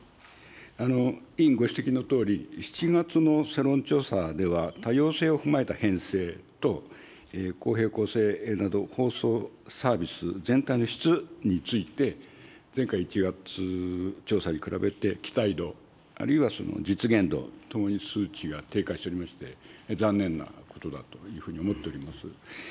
委員ご指摘のとおり、７月の世論調査では、多様性を踏まえた編成と、公平・公正など放送・サービス全体の質について、前回１月調査に比べて期待度、あるいは実現度ともに数値が低下しておりまして、残念なことだというふうに思っております。